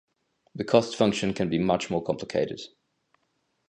The cost function can be much more complicated.